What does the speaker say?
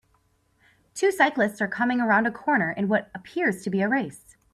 Two cyclists are coming around a corner in what appears to be a race.